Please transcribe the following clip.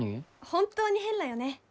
本当に変らよね。